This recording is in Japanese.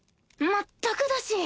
まったくだし